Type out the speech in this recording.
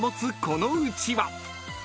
このうちわ］